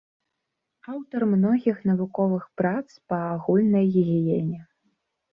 Аўтар многіх навуковых прац па агульнай гігіене.